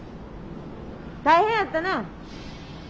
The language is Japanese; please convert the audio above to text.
大変やったな。